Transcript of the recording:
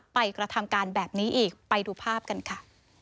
กระทำการแบบนี้อีกไปดูภาพกันค่ะ